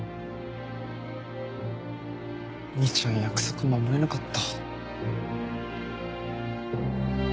兄ちゃん約束守れなかった。